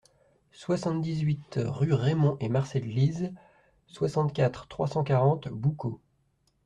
soixante-dix-huit rue Raymond et Marcel Glize, soixante-quatre, trois cent quarante, Boucau